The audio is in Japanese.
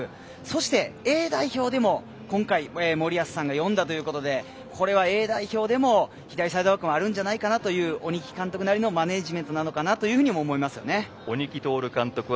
そして、Ａ代表でも今回森保さんが呼んだということでＡ代表でも左サイドバックもあるんじゃないかなという鬼木監督なりのマネジメントじゃないかと思いますよね。